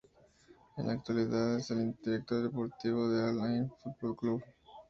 En la actualidad es el director deportivo del Al-Ain Football Club.